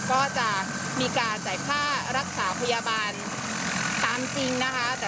ก็จะมีการจ่ายค่ารักษาพยาบาลตามจริงนะคะ